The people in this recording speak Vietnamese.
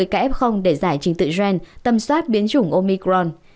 một mươi kf để giải trình tự gen tầm soát biến chủng omicron